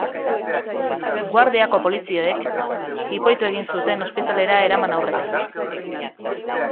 Guardiako poliziek jipoitu egin zuten ospitalera eraman aurretik.